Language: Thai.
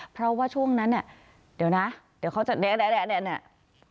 เพราะว่าช่วงนั้นเนี่ยเดี๋ยวนะเดี๋ยวเขาจะเนี่ยเนี่ยเนี่ยเนี่ยเนี่ย